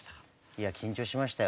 いや緊張しましたよ。